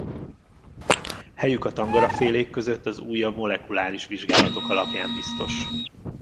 Helyük a tangarafélék között az újabb molekuláris vizsgálatok alapján biztos.